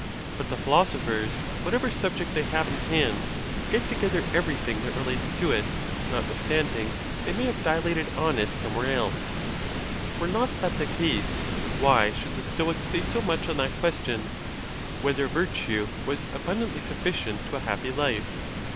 But the philosophers, whatever subject they have in hand, get together everything that. relates to it, notwithstanding they may. have dilated on it some where. else... Were not that the case, why should the Stoics say so much on that question, Whether virtue was abundantly sufficient to a happy life?